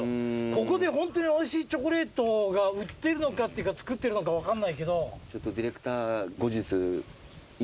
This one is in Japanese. ここでホントにおいしいチョコレートが売ってるのか作ってるのか分かんないけど。